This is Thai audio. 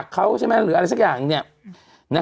กรมป้องกันแล้วก็บรรเทาสาธารณภัยนะคะ